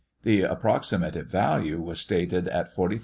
The approximative value was stated at 45,000l.